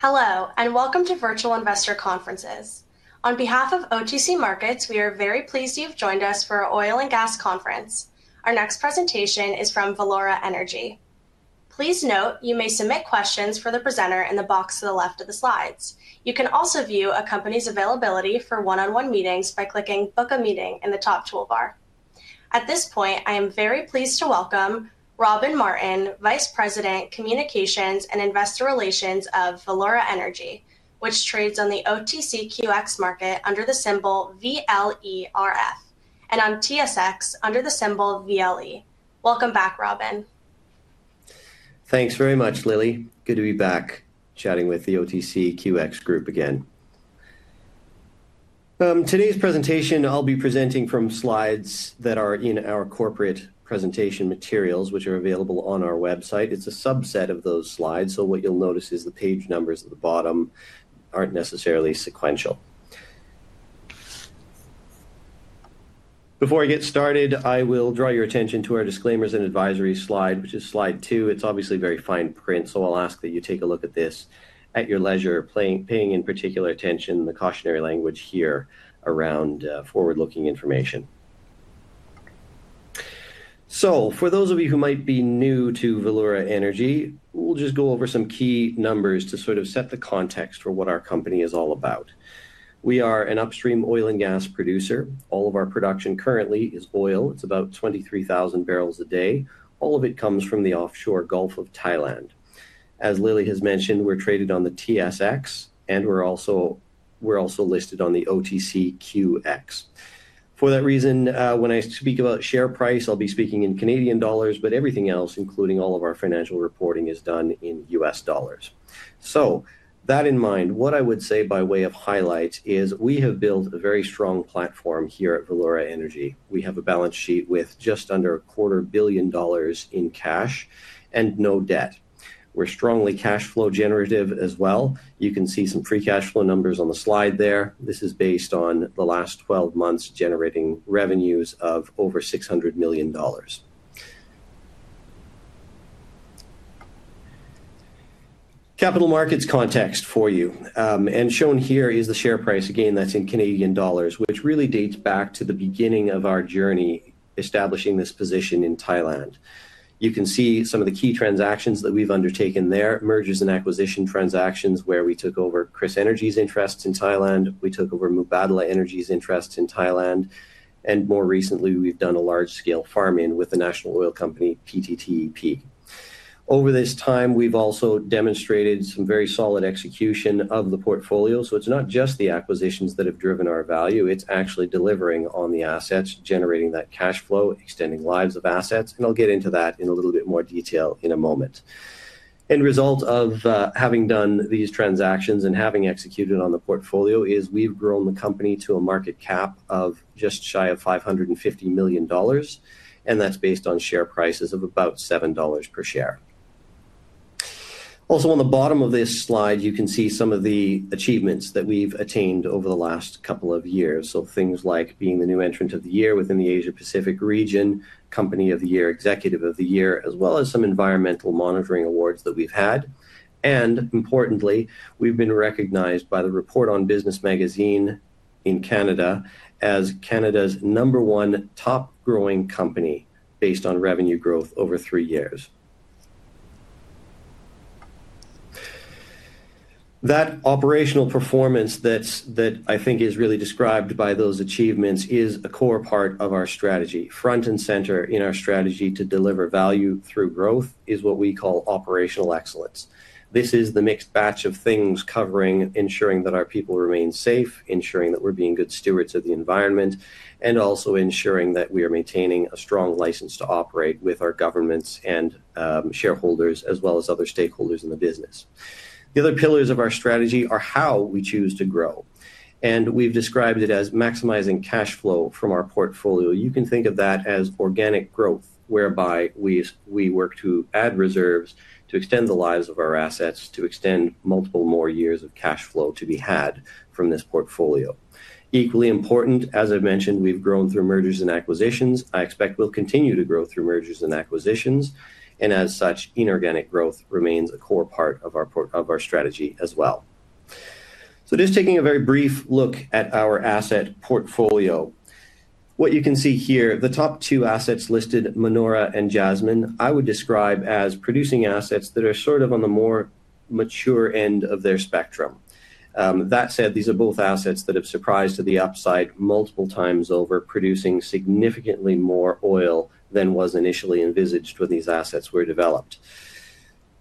Hello, and welcome to Virtual Investor Conferences. On behalf of OTC Markets, we are very pleased you've joined us for our Oil and Gas Conference. Our next presentation is from Valeura Energy. Please note you may submit questions for the presenter in the box to the left of the slides. You can also view a company's availability for one-on-one meetings by clicking "Book a Meeting" in the top toolbar. At this point, I am very pleased to welcome Robin Martin, Vice President, Communications and Investor Relations of Valeura Energy, which trades on the OTCQX market under the symbol VLERF and on TSX under the symbol VLE. Welcome back, Robin. Thanks very much, Lily. Good to be back chatting with the OTCQX group again. Today's presentation, I'll be presenting from slides that are in our corporate presentation materials, which are available on our website. It's a subset of those slides, so what you'll notice is the page numbers at the bottom aren't necessarily sequential. Before I get started, I will draw your attention to our disclaimers and advisory slide, which is slide two. It's obviously very fine print, so I'll ask that you take a look at this at your leisure, paying in particular attention to the cautionary language here around forward-looking information. For those of you who might be new to Valeura Energy, we'll just go over some key numbers to sort of set the context for what our company is all about. We are an upstream oil and gas producer. All of our production currently is oil. It's about 23,000 barrels a day. All of it comes from the offshore Gulf of Thailand. As Lily has mentioned, we're traded on the TSX, and we're also listed on the OTCQX. For that reason, when I speak about share price, I'll be speaking in Canadian dollars, but everything else, including all of our financial reporting, is done in U.S. dollars. That in mind, what I would say by way of highlights is we have built a very strong platform here at Valeura Energy. We have a balance sheet with just under a $250 million in cash and no debt. We're strongly cash flow generative as well. You can see some pre-cash flow numbers on the slide there. This is based on the last 12 months generating revenues of over $600 million. Capital markets context for you. Shown here is the share price, again, that's in Canadian dollars, which really dates back to the beginning of our journey establishing this position in Thailand. You can see some of the key transactions that we've undertaken there: mergers and acquisition transactions where we took over Khris Energy's interests in Thailand. We took over Mubadala Energy's interests in Thailand. More recently, we've done a large-scale farm-in with the national oil company PTTEP. Over this time, we've also demonstrated some very solid execution of the portfolio. It's not just the acquisitions that have driven our value. It's actually delivering on the assets, generating that cash flow, extending lives of assets. I'll get into that in a little bit more detail in a moment. a result of having done these transactions and having executed on the portfolio, we've grown the company to a market cap of just shy of $550 million, and that's based on share prices of about $7 per share. Also, on the bottom of this slide, you can see some of the achievements that we've attained over the last couple of years. Things like being the new entrant of the year within the Asia-Pacific region, Company of the Year, Executive of the Year, as well as some environmental monitoring awards that we've had. Importantly, we've been recognized by the Report on Business magazine in Canada as Canada's number one top-growing company based on revenue growth over three years. That operational performance that I think is really described by those achievements is a core part of our strategy. Front and center in our strategy to deliver value through growth is what we call operational excellence. This is the mixed batch of things covering ensuring that our people remain safe, ensuring that we're being good stewards of the environment, and also ensuring that we are maintaining a strong license to operate with our governments and shareholders, as well as other stakeholders in the business. The other pillars of our strategy are how we choose to grow. We have described it as maximizing cash flow from our portfolio. You can think of that as organic growth, whereby we work to add reserves, to extend the lives of our assets, to extend multiple more years of cash flow to be had from this portfolio. Equally important, as I have mentioned, we have grown through mergers and acquisitions. I expect we will continue to grow through mergers and acquisitions. Inorganic growth remains a core part of our strategy as well. Just taking a very brief look at our asset portfolio, what you can see here, the top two assets listed, Manora and Jasmine, I would describe as producing assets that are sort of on the more mature end of their spectrum. That said, these are both assets that have surprised to the upside multiple times over, producing significantly more oil than was initially envisaged when these assets were developed.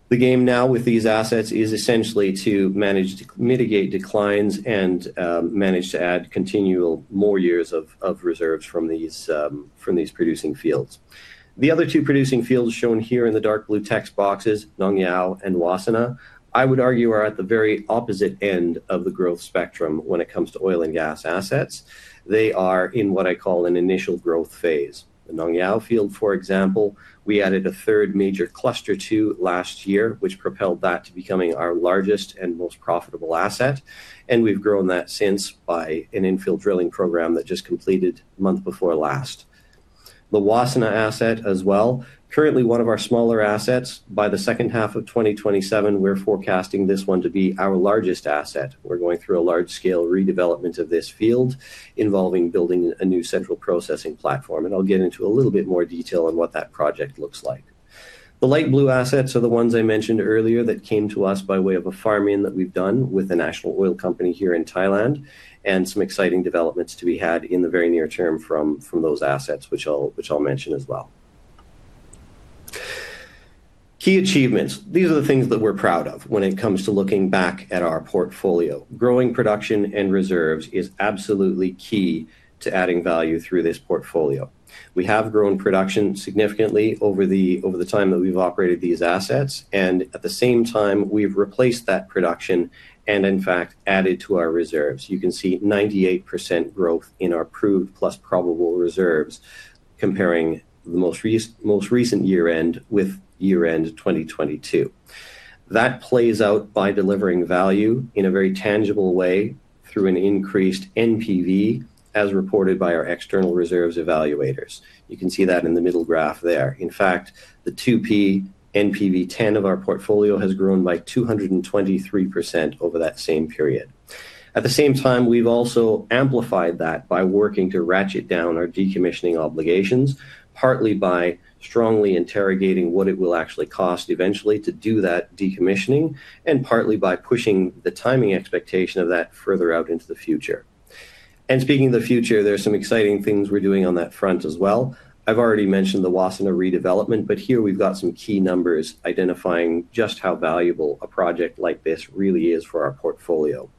The game now with these assets is essentially to manage to mitigate declines and manage to add continual more years of reserves from these producing fields. The other two producing fields shown here in the dark blue text boxes, Nong Yao and Wassana, I would argue are at the very opposite end of the growth spectrum when it comes to oil and gas assets. They are in what I call an initial growth phase. The Nong Yao field, for example, we added a third major cluster to last year, which propelled that to becoming our largest and most profitable asset. And we've grown that since by an infill drilling program that just completed a month before last. The Wassana asset as well, currently one of our smaller assets. By the second half of 2027, we're forecasting this one to be our largest asset. We're going through a large-scale redevelopment of this field involving building a new central processing platform. I'll get into a little bit more detail on what that project looks like. The light blue assets are the ones I mentioned earlier that came to us by way of a farm-in that we've done with the national oil company here in Thailand and some exciting developments to be had in the very near term from those assets, which I'll mention as well. Key achievements. These are the things that we're proud of when it comes to looking back at our portfolio. Growing production and reserves is absolutely key to adding value through this portfolio. We have grown production significantly over the time that we've operated these assets. At the same time, we've replaced that production and, in fact, added to our reserves. You can see 98% growth in our proved plus probable reserves comparing the most recent year-end with year-end 2022. That plays out by delivering value in a very tangible way through an increased NPV, as reported by our external reserves evaluators. You can see that in the middle graph there. In fact, the 2P NPV10 of our portfolio has grown by 223% over that same period. At the same time, we've also amplified that by working to ratchet down our decommissioning obligations, partly by strongly interrogating what it will actually cost eventually to do that decommissioning and partly by pushing the timing expectation of that further out into the future. Speaking of the future, there are some exciting things we're doing on that front as well. I've already mentioned the Wassana redevelopment, but here we've got some key numbers identifying just how valuable a project like this really is for our portfolio.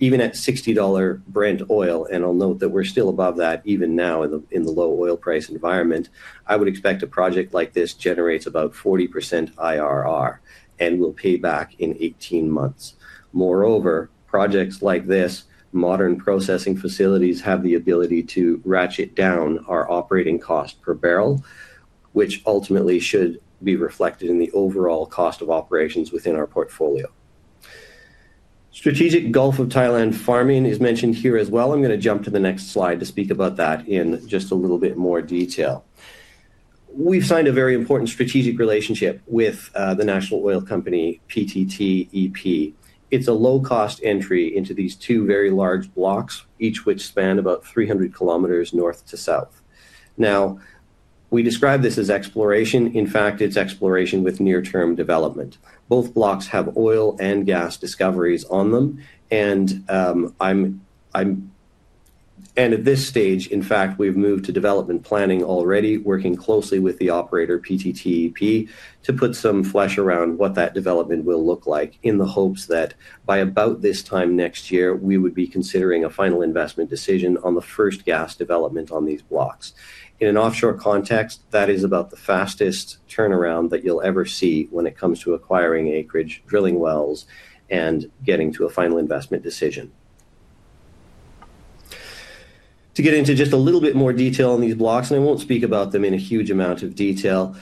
Even at $60 Brent Oil, and I'll note that we're still above that even now in the low oil price environment, I would expect a project like this generates about 40% IRR and will pay back in 18 months. Moreover, projects like this, modern processing facilities have the ability to ratchet down our operating cost per barrel, which ultimately should be reflected in the overall cost of operations within our portfolio. Strategic Gulf of Thailand farming is mentioned here as well. I'm going to jump to the next slide to speak about that in just a little bit more detail. We've signed a very important strategic relationship with the national oil company PTTEP. It's a low-cost entry into these two very large blocks, each which span about 300 km north to south. Now, we describe this as exploration. In fact, it's exploration with near-term development. Both blocks have oil and gas discoveries on them. At this stage, in fact, we have moved to development planning already, working closely with the operator PTTEP to put some flesh around what that development will look like in the hopes that by about this time next year, we would be considering a final investment decision on the first gas development on these blocks. In an offshore context, that is about the fastest turnaround that you will ever see when it comes to acquiring acreage, drilling wells, and getting to a final investment decision. To get into just a little bit more detail on these blocks, and I will not speak about them in a huge amount of detail,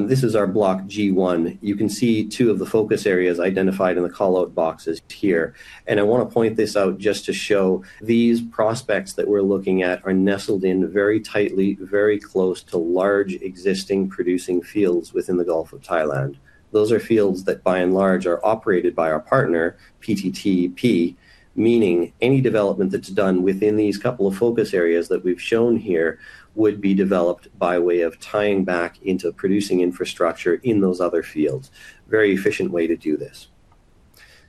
this is our block G1. You can see two of the focus areas identified in the callout boxes here. I want to point this out just to show these prospects that we're looking at are nestled in very tightly, very close to large existing producing fields within the Gulf of Thailand. Those are fields that, by and large, are operated by our partner, PTTEP, meaning any development that's done within these couple of focus areas that we've shown here would be developed by way of tying back into producing infrastructure in those other fields. Very efficient way to do this.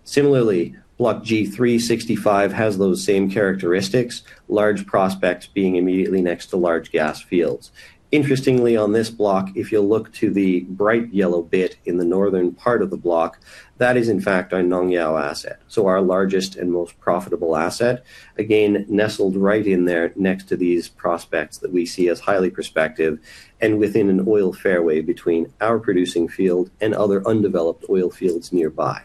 Similarly, block G365 has those same characteristics, large prospects being immediately next to large gas fields. Interestingly, on this block, if you'll look to the bright yellow bit in the northern part of the block, that is, in fact, our Nong Yao asset, so our largest and most profitable asset, again, nestled right in there next to these prospects that we see as highly prospective and within an oil fairway between our producing field and other undeveloped oil fields nearby.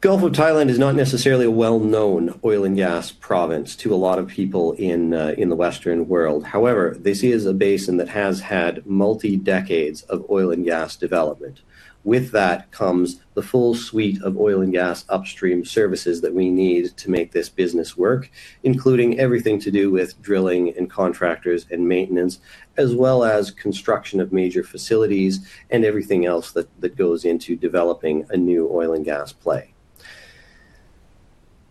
Gulf of Thailand is not necessarily a well-known oil and gas province to a lot of people in the Western world. However, this is a basin that has had multi-decades of oil and gas development. With that comes the full suite of oil and gas upstream services that we need to make this business work, including everything to do with drilling and contractors and maintenance, as well as construction of major facilities and everything else that goes into developing a new oil and gas play.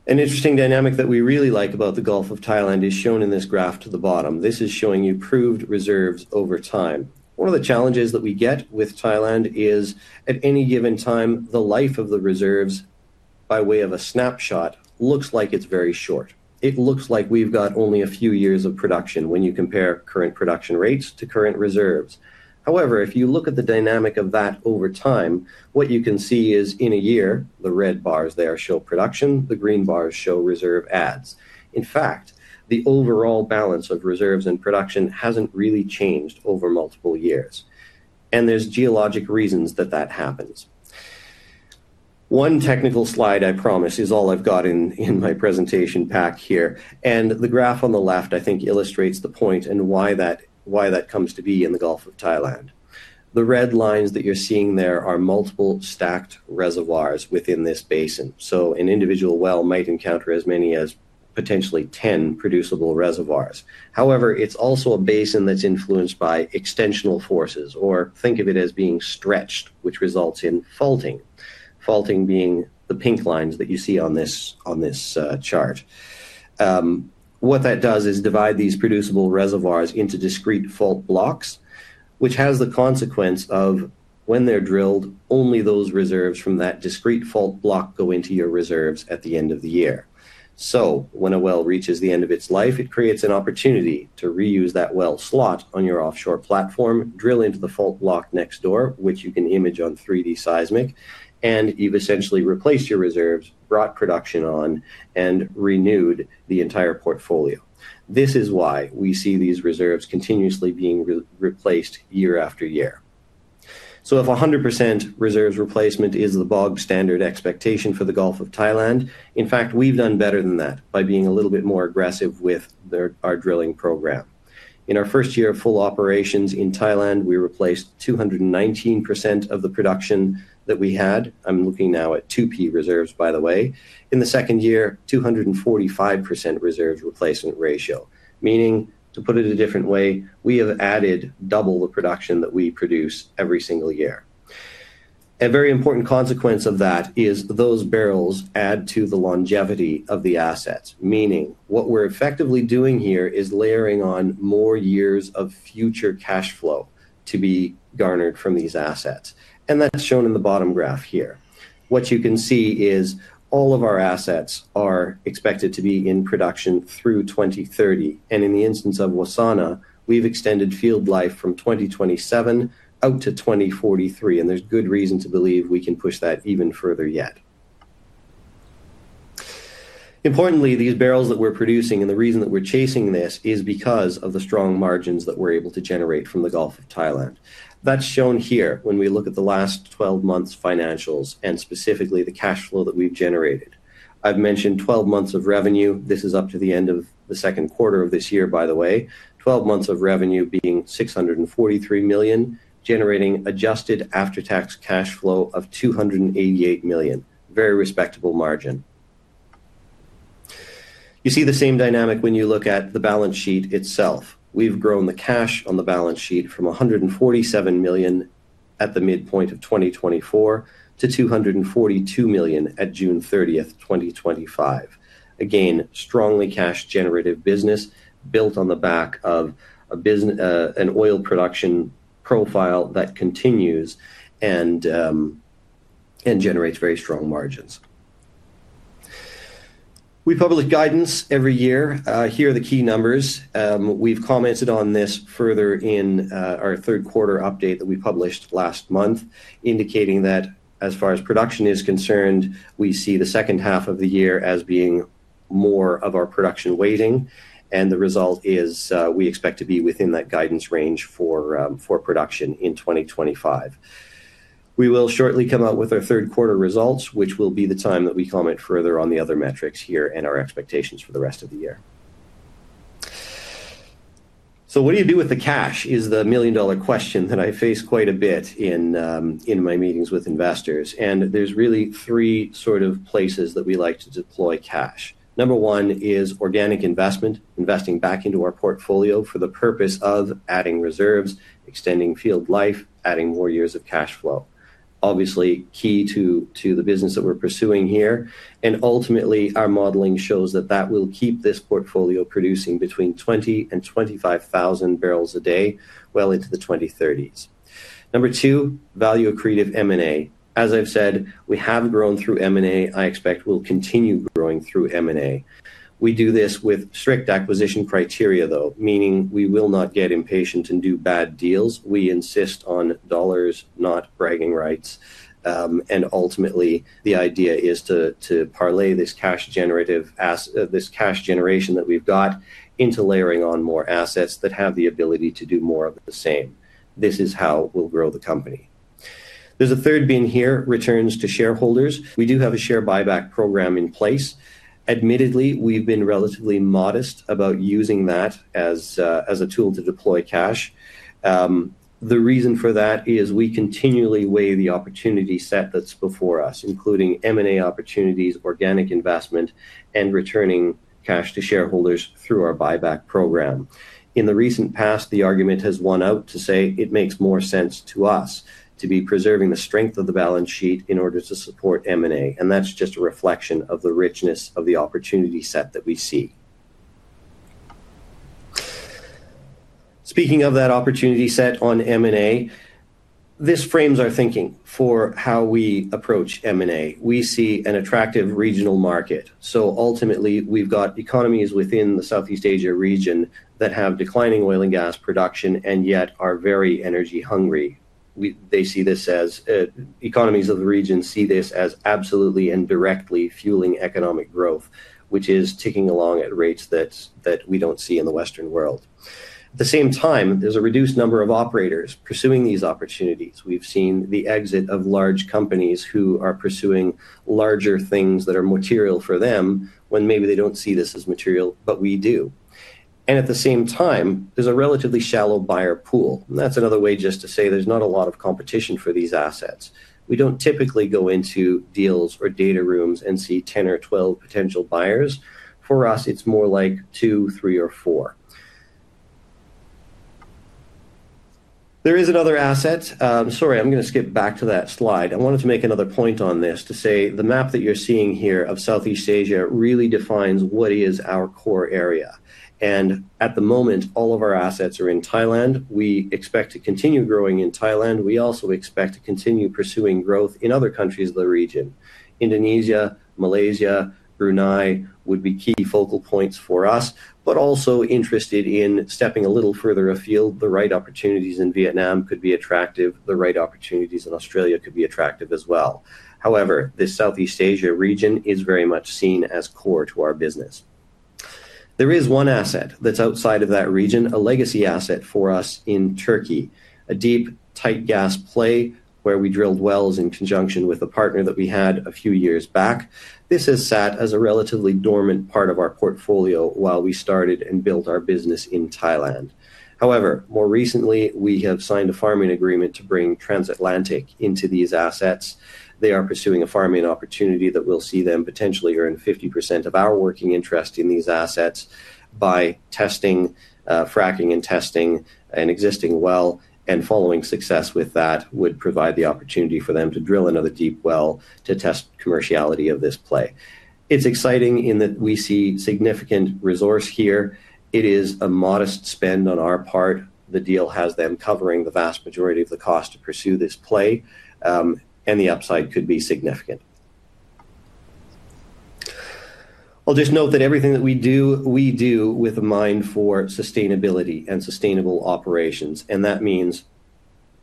An interesting dynamic that we really like about the Gulf of Thailand is shown in this graph to the bottom. This is showing you proved reserves over time. One of the challenges that we get with Thailand is, at any given time, the life of the reserves by way of a snapshot looks like it's very short. It looks like we've got only a few years of production when you compare current production rates to current reserves. However, if you look at the dynamic of that over time, what you can see is, in a year, the red bars there show production. The green bars show reserve adds. In fact, the overall balance of reserves and production hasn't really changed over multiple years. There are geologic reasons that that happens. One technical slide, I promise, is all I've got in my presentation pack here. The graph on the left, I think, illustrates the point and why that comes to be in the Gulf of Thailand. The red lines that you're seeing there are multiple stacked reservoirs within this basin. An individual well might encounter as many as potentially 10 producible reservoirs. However, it's also a basin that's influenced by extensional forces, or think of it as being stretched, which results in faulting, faulting being the pink lines that you see on this chart. What that does is divide these producible reservoirs into discrete fault blocks, which has the consequence of, when they're drilled, only those reserves from that discrete fault block go into your reserves at the end of the year. When a well reaches the end of its life, it creates an opportunity to reuse that well slot on your offshore platform, drill into the fault block next door, which you can image on 3D seismic, and you've essentially replaced your reserves, brought production on, and renewed the entire portfolio. This is why we see these reserves continuously being replaced year-after-year. If 100% reserves replacement is the bog-standard expectation for the Gulf of Thailand, in fact, we've done better than that by being a little bit more aggressive with our drilling program. In our first year of full operations in Thailand, we replaced 219% of the production that we had. I'm looking now at 2P reserves, by the way. In the second year, 245% reserves replacement ratio, meaning, to put it a different way, we have added double the production that we produce every single year. A very important consequence of that is those barrels add to the longevity of the assets, meaning what we're effectively doing here is layering on more years of future cash flow to be garnered from these assets. That is shown in the bottom graph here. What you can see is all of our assets are expected to be in production through 2030. In the instance of Wassana, we've extended field life from 2027 out to 2043. There is good reason to believe we can push that even further yet. Importantly, these barrels that we're producing and the reason that we're chasing this is because of the strong margins that we're able to generate from the Gulf of Thailand. That is shown here when we look at the last 12 months' financials and specifically the cash flow that we've generated. I've mentioned 12 months of revenue. This is up to the end of the second quarter of this year, by the way. Twelve months of revenue being $643 million, generating adjusted after-tax cash flow of $288 million. Very respectable margin. You see the same dynamic when you look at the balance sheet itself. We've grown the cash on the balance sheet from $147 million at the midpoint of 2024 to $242 million at June 30th, 2025. Again, strongly cash-generative business built on the back of an oil production profile that continues and generates very strong margins. We publish guidance every year. Here are the key numbers. We've commented on this further in our third quarter update that we published last month, indicating that, as far as production is concerned, we see the second half of the year as being more of our production waiting. The result is we expect to be within that guidance range for production in 2025. We will shortly come out with our third quarter results, which will be the time that we comment further on the other metrics here and our expectations for the rest of the year. What do you do with the cash is the million-dollar question that I face quite a bit in my meetings with investors. There are really three sort of places that we like to deploy cash. Number one is organic investment, investing back into our portfolio for the purpose of adding reserves, extending field life, adding more years of cash flow. Obviously, key to the business that we are pursuing here. Ultimately, our modeling shows that that will keep this portfolio producing between 20,000 and 25,000 barrels a day well into the 2030s. Number two, value accretive M&A. As I've said, we have grown through M&A. I expect we'll continue growing through M&A. We do this with strict acquisition criteria, though, meaning we will not get impatient and do bad deals. We insist on dollars, not bragging rights. Ultimately, the idea is to parlay this cash generation that we've got into layering on more assets that have the ability to do more of the same. This is how we'll grow the company. There's a third bin here, returns to shareholders. We do have a share buyback program in place. Admittedly, we've been relatively modest about using that as a tool to deploy cash. The reason for that is we continually weigh the opportunity set that's before us, including M&A opportunities, organic investment, and returning cash to shareholders through our buyback program. In the recent past, the argument has won out to say it makes more sense to us to be preserving the strength of the balance sheet in order to support M&A. That is just a reflection of the richness of the opportunity set that we see. Speaking of that opportunity set on M&A, this frames our thinking for how we approach M&A. We see an attractive regional market. Ultimately, we've got economies within the Southeast Asia region that have declining oil and gas production and yet are very energy hungry. They see this as economies of the region see this as absolutely and directly fueling economic growth, which is ticking along at rates that we do not see in the Western world. At the same time, there is a reduced number of operators pursuing these opportunities. We've seen the exit of large companies who are pursuing larger things that are material for them when maybe they don't see this as material, but we do. At the same time, there's a relatively shallow buyer pool. That's another way just to say there's not a lot of competition for these assets. We don't typically go into deals or data rooms and see 10 or 12 potential buyers. For us, it's more like 2, 3, or 4. There is another asset. Sorry, I'm going to skip back to that slide. I wanted to make another point on this to say the map that you're seeing here of Southeast Asia really defines what is our core area. At the moment, all of our assets are in Thailand. We expect to continue growing in Thailand. We also expect to continue pursuing growth in other countries of the region. Indonesia, Malaysia, Brunei would be key focal points for us, but also interested in stepping a little further afield. The right opportunities in Vietnam could be attractive. The right opportunities in Australia could be attractive as well. However, this Southeast Asia region is very much seen as core to our business. There is one asset that's outside of that region, a legacy asset for us in Turkey, a deep tight gas play where we drilled wells in conjunction with a partner that we had a few years back. This has sat as a relatively dormant part of our portfolio while we started and built our business in Thailand. However, more recently, we have signed a farming agreement to bring Transatlantic into these assets. They are pursuing a farming opportunity that will see them potentially earn 50% of our working interest in these assets by fracking and testing an existing well. Following success with that would provide the opportunity for them to drill another deep well to test commerciality of this play. It is exciting in that we see significant resource here. It is a modest spend on our part. The deal has them covering the vast majority of the cost to pursue this play, and the upside could be significant. I will just note that everything that we do, we do with a mind for sustainability and sustainable operations. That means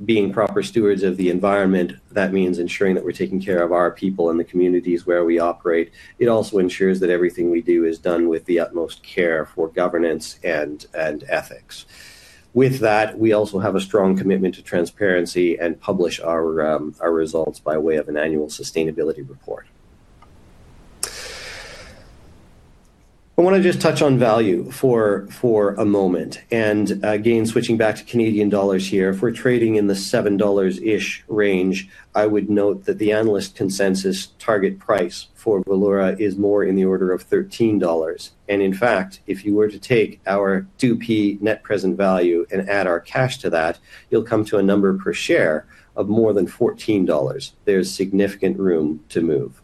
being proper stewards of the environment. That means ensuring that we are taking care of our people and the communities where we operate. It also ensures that everything we do is done with the utmost care for governance and ethics. With that, we also have a strong commitment to transparency and publish our results by way of an annual sustainability report. I want to just touch on value for a moment. Again, switching back to CAD here, if we're trading in the 7-ish range, I would note that the analyst consensus target price for Valeura is more in the order of 13 dollars. In fact, if you were to take our 2P net present value and add our cash to that, you'll come to a number per share of more than 14 dollars. There's significant room to move.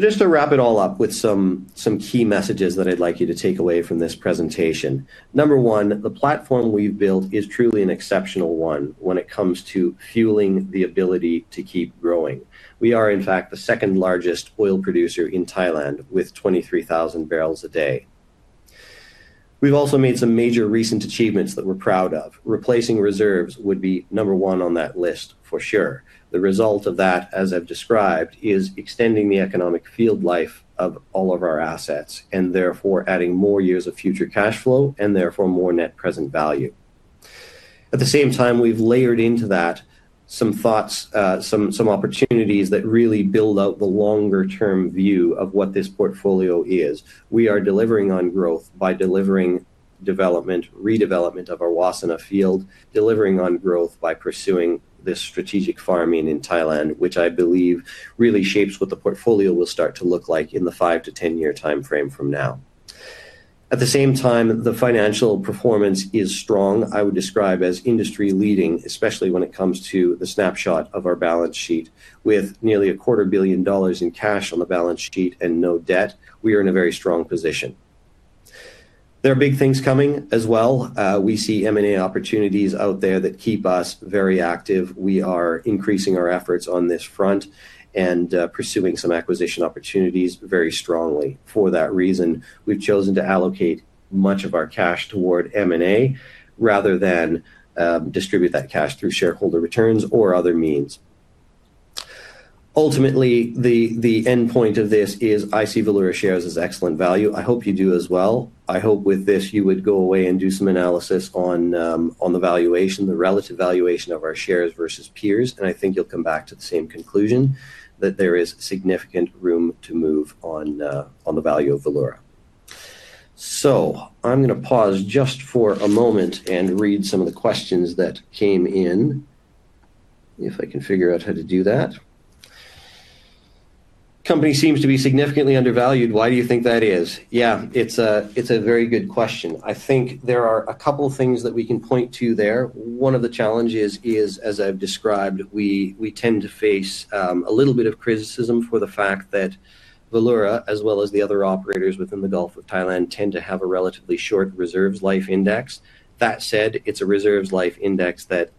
Just to wrap it all up with some key messages that I'd like you to take away from this presentation. Number one, the platform we've built is truly an exceptional one when it comes to fueling the ability to keep growing. We are, in fact, the second largest oil producer in Thailand with 23,000 barrels a day. We've also made some major recent achievements that we're proud of. Replacing reserves would be number one on that list for sure. The result of that, as I've described, is extending the economic field life of all of our assets and therefore adding more years of future cash flow and therefore more net present value. At the same time, we've layered into that some thoughts, some opportunities that really build out the longer-term view of what this portfolio is. We are delivering on growth by delivering development, redevelopment of our Wassana field, delivering on growth by pursuing this strategic farm-in in Thailand, which I believe really shapes what the portfolio will start to look like in the 5- to 10-year timeframe from now. At the same time, the financial performance is strong. I would describe it as industry-leading, especially when it comes to the snapshot of our balance sheet. With nearly a quarter billion dollars in cash on the balance sheet and no debt, we are in a very strong position. There are big things coming as well. We see M&A opportunities out there that keep us very active. We are increasing our efforts on this front and pursuing some acquisition opportunities very strongly. For that reason, we've chosen to allocate much of our cash toward M&A rather than distribute that cash through shareholder returns or other means. Ultimately, the endpoint of this is I see Valeura shares as excellent value. I hope you do as well. I hope with this you would go away and do some analysis on the valuation, the relative valuation of our shares versus peers. I think you'll come back to the same conclusion that there is significant room to move on the value of Valeura. I'm going to pause just for a moment and read some of the questions that came in. If I can figure out how to do that. Company seems to be significantly undervalued. Why do you think that is? Yeah, it's a very good question. I think there are a couple of things that we can point to there. One of the challenges is, as I've described, we tend to face a little bit of criticism for the fact that Valeura, as well as the other operators within the Gulf of Thailand, tend to have a relatively short reserves life index. That said, it's a reserves life index that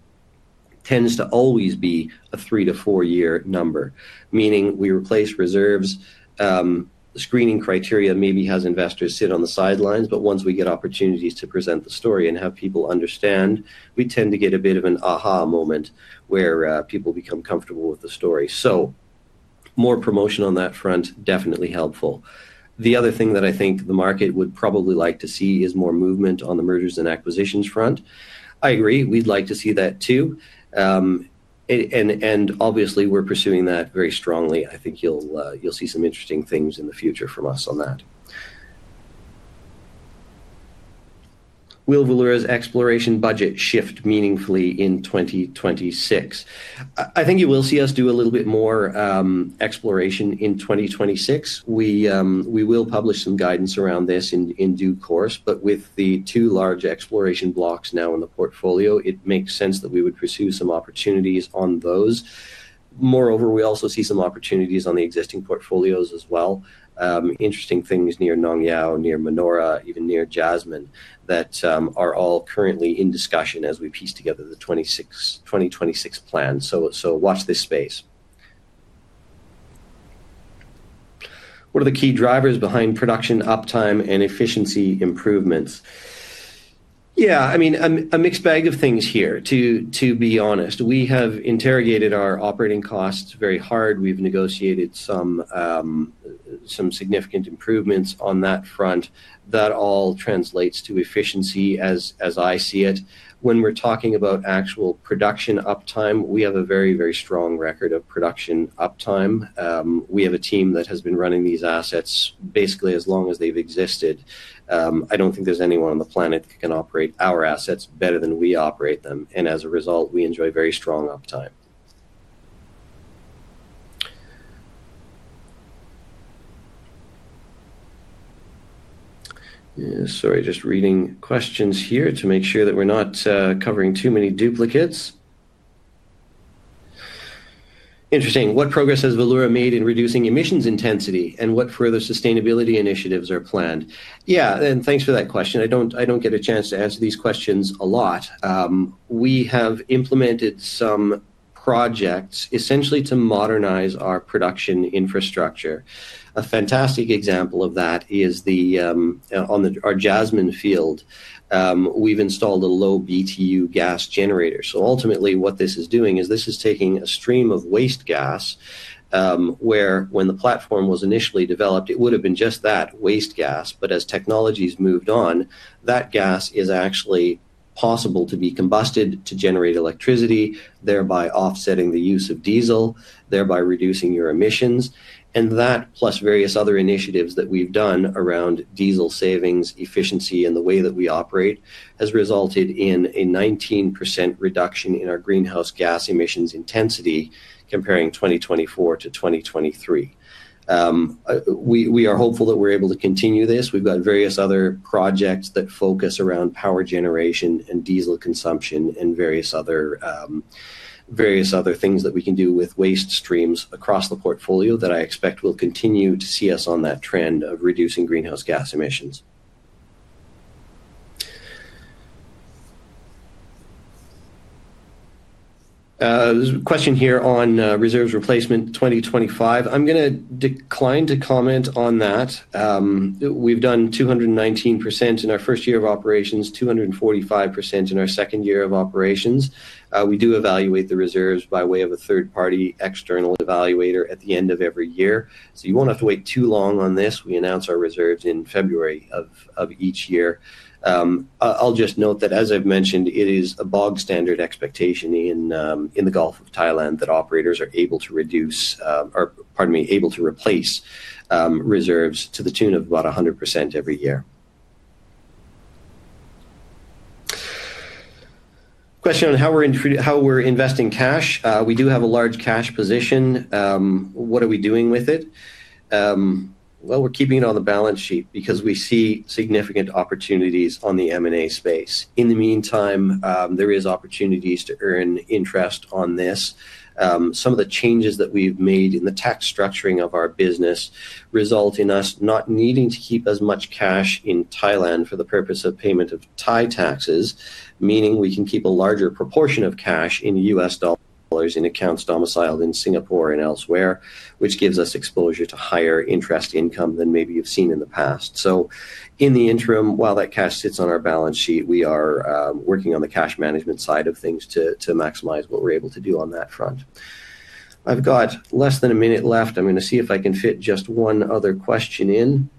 tends to always be a three to four-year number, meaning we replace reserves. Screening criteria maybe has investors sit on the sidelines, but once we get opportunities to present the story and have people understand, we tend to get a bit of an aha moment where people become comfortable with the story. More promotion on that front, definitely helpful. The other thing that I think the market would probably like to see is more movement on the mergers and acquisitions front. I agree. We'd like to see that too. Obviously, we're pursuing that very strongly. I think you'll see some interesting things in the future from us on that. Will Valeura's exploration budget shift meaningfully in 2026? I think you will see us do a little bit more exploration in 2026. We will publish some guidance around this in due course. With the two large exploration blocks now in the portfolio, it makes sense that we would pursue some opportunities on those. Moreover, we also see some opportunities on the existing portfolios as well. Interesting things near Nong Yao, near Manora, even near Jasmine that are all currently in discussion as we piece together the 2026 plan. Watch this space. What are the key drivers behind production uptime and efficiency improvements? Yeah, I mean, a mixed bag of things here, to be honest. We have interrogated our operating costs very hard. We've negotiated some significant improvements on that front. That all translates to efficiency as I see it. When we're talking about actual production uptime, we have a very, very strong record of production uptime. We have a team that has been running these assets basically as long as they've existed. I do not think there is anyone on the planet that can operate our assets better than we operate them. As a result, we enjoy very strong uptime. Sorry, just reading questions here to make sure that we are not covering too many duplicates. Interesting. What progress has Valeura made in reducing emissions intensity and what further sustainability initiatives are planned? Yeah, and thanks for that question. I do not get a chance to answer these questions a lot. We have implemented some projects essentially to modernize our production infrastructure. A fantastic example of that is on our Jasmine Field, we have installed a low-BTU gas generator. Ultimately, what this is doing is this is taking a stream of waste gas where when the platform was initially developed, it would have been just that waste gas. As technologies moved on, that gas is actually possible to be combusted to generate electricity, thereby offsetting the use of diesel, thereby reducing your emissions. That, plus various other initiatives that we've done around diesel savings, efficiency, and the way that we operate, has resulted in a 19% reduction in our greenhouse gas emissions intensity comparing 2024 to 2023. We are hopeful that we're able to continue this. We've got various other projects that focus around power generation and diesel consumption and various other things that we can do with waste streams across the portfolio that I expect will continue to see us on that trend of reducing greenhouse gas emissions. Question here on reserves replacement 2025. I'm going to decline to comment on that. We've done 219% in our first year of operations, 245% in our second year of operations. We do evaluate the reserves by way of a third-party external evaluator at the end of every year. You won't have to wait too long on this. We announce our reserves in February of each year. I'll just note that, as I've mentioned, it is a bog-standard expectation in the Gulf of Thailand that operators are able to reduce, or pardon me, able to replace reserves to the tune of about 100% every year. Question on how we're investing cash. We do have a large cash position. What are we doing with it? We're keeping it on the balance sheet because we see significant opportunities on the M&A space. In the meantime, there are opportunities to earn interest on this. Some of the changes that we've made in the tax structuring of our business result in us not needing to keep as much cash in Thailand for the purpose of payment of Thai taxes, meaning we can keep a larger proportion of cash in U.S. dollars in accounts domiciled in Singapore and elsewhere, which gives us exposure to higher interest income than maybe you've seen in the past. In the interim, while that cash sits on our balance sheet, we are working on the cash management side of things to maximize what we're able to do on that front. I've got less than a minute left. I'm going to see if I can fit just one other question in.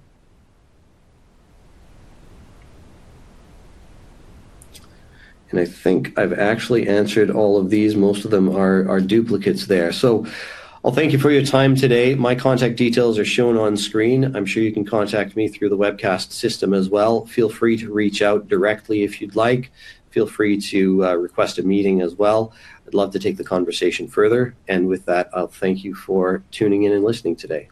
I think I've actually answered all of these. Most of them are duplicates there. I thank you for your time today. My contact details are shown on screen. I'm sure you can contact me through the webcast system as well. Feel free to reach out directly if you'd like. Feel free to request a meeting as well. I'd love to take the conversation further. With that, I'll thank you for tuning in and listening today.